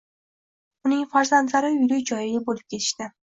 Uning farzandlari uyli-joyli bo`lib ketishdi